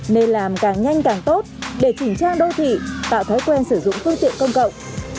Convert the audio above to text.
nên làm càng nhanh càng tốt để chỉnh trang đô thị tạo thói quen sử dụng phương tiện công cộng